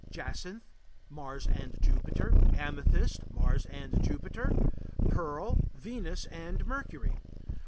Jacinth Mars and Jupiter. Amethyst Mars and Jupiter. Pearl Venus and Mercury.